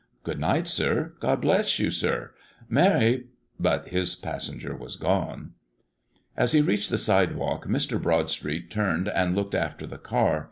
"Good night, sir! God bless you, sir! Merry" but his passenger was gone. As he reached the sidewalk, Mr. Broadstreet turned and looked after the car.